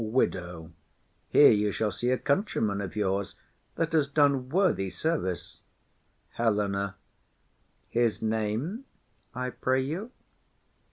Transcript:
WIDOW. Here you shall see a countryman of yours That has done worthy service. HELENA. His name, I pray you.